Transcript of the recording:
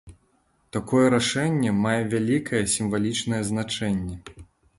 Такое рашэнне мае вялікае сімвалічнае значэнне.